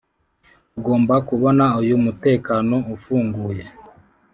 tugomba kubona uyu mutekano ufunguye.